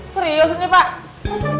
serius ini pak